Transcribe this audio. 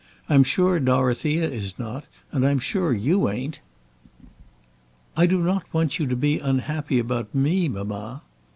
I'm sure Dorothea is not, and I'm sure you ain't." "I don't want you to be unhappy about me, mamma."